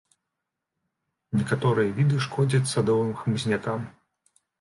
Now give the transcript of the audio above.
Некаторыя віды шкодзяць садовым хмызнякам.